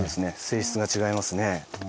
性質が違いますね。